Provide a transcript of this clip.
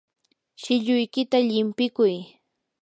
shilluykita llimpikuy.